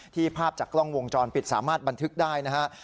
ภาพจากกล้องวงจรปิดสามารถบันทึกได้นะครับ